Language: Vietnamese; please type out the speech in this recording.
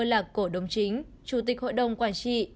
là cổ đồng chính chủ tịch hội đồng quản trị